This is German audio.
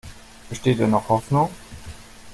Besteht denn noch Hoffnung?